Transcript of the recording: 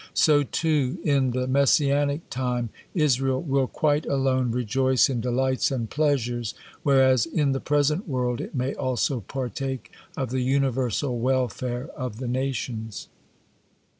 So too in the Messianic time Israel will quite alone rejoice in delights and pleasures, whereas in the present world it may also partake of the universal welfare of the nations.